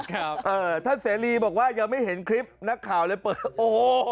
เอ่อท่านเสรีบอกว่ายังไม่เห็นคลิปนักข่าวเลยเปิดโอ้